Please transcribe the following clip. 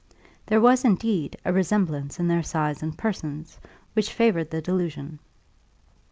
There was, indeed, a resemblance in their size and persons, which favoured the delusion.